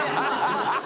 ハハハ